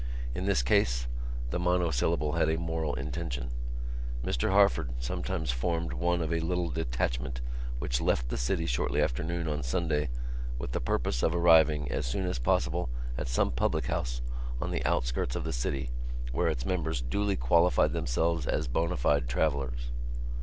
In this case the monosyllable had a moral intention. Mr Harford sometimes formed one of a little detachment which left the city shortly after noon on Sunday with the purpose of arriving as soon as possible at some public house on the outskirts of the city where its members duly qualified themselves as bona fide travellers.